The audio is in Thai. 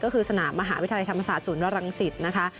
ก็คือสนามมหาวิทยาลัยธรรมศาสตร์ศูนย์วรังสิตนะคะ